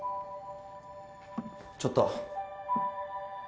ちょっと。